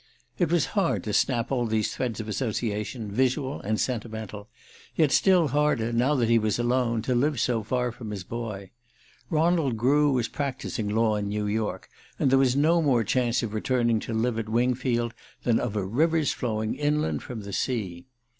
It was hard to snap all these threads of association, visual and sentimental; yet still harder, now that he was alone, to live so far from his boy. Ronald Grew was practising law in New York, and there was no more chance of returning to live at Wingfield than of a river's flowing inland from the sea.